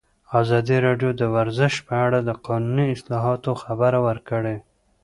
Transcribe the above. ازادي راډیو د ورزش په اړه د قانوني اصلاحاتو خبر ورکړی.